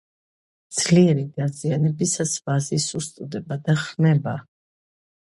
ძლიერი დაზიანებისას ვაზი სუსტდება და ხმება.